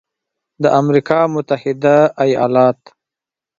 د امریکا متحده ایالات